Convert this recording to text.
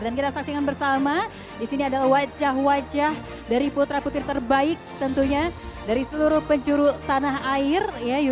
dan kita saksikan bersama disini adalah wajah wajah dari putra putri terbaik tentunya dari seluruh penjuru tanah air